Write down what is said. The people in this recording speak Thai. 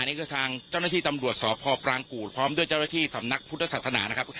นี่คือทางเจ้าหน้าที่ตำรวจสพปรางกูธพร้อมด้วยเจ้าหน้าที่สำนักพุทธศาสนานะครับ